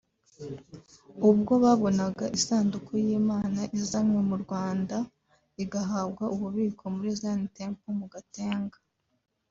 ubwo babonaga isanduku y’Imana izanywe mu Rwanda igahabwa ububiko muri Zion Temple mu Gatenga